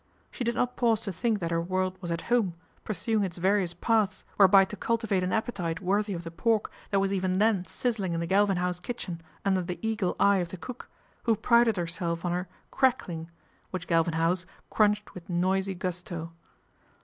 She did not pause to think that her world was at home, pursuing its various paths whereby to cultivate an appetite worthy of the pork that was even then sizzling in the Galvin House kitchen under the eagle eye of the cook, who prided herself on her "crack ling," which Galvin House crunched with noisy gusto.